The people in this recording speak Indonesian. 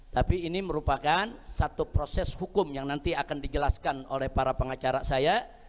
tapi ini merupakan satu proses hukum yang nanti akan dijelaskan oleh para pengacara saya